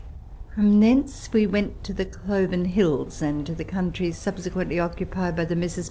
From thence we went to the .Cloven Hills and to the country subse quently occupied by the Messrs.